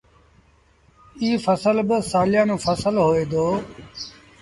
ايٚ ڦسل با سآليآݩون ڦسل هوئي دو۔